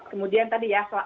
kemudian tadi ya soal